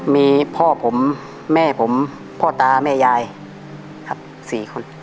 มีพ่อผมแม่ผมพ่อตาแม่ยายครับ๔คน